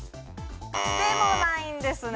でもないんですね。